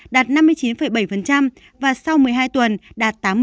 đạt năm mươi chín bảy và sau một mươi hai tuần đạt tám mươi